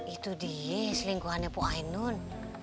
itu dia selingkuhannya puan ainun